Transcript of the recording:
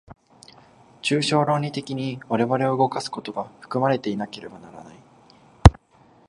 抽象論理的に我々を動かすことが含まれていなければならない。